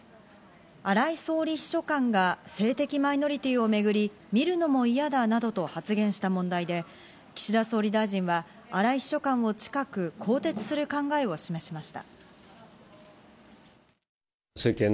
荒井総理秘書官が性的マイノリティをめぐり、見るのも嫌だなどと発言した問題で岸田総理大臣は荒井秘書官を近く更迭する考えを示しました。